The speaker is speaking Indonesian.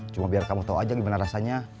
cuma biar kamu tahu aja gimana rasanya